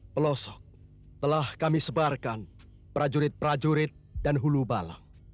pelosok telah kami sebarkan prajurit prajurit dan hulu balang